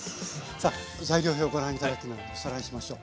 さあ材料表をご覧頂きながらおさらいしましょう。